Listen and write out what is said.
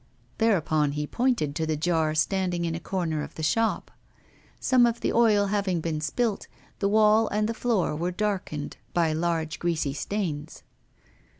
Thereupon he pointed to the jar standing in a corner of the shop. Some of the oil having been spilt, the wall and the floor were darkened by large greasy stains.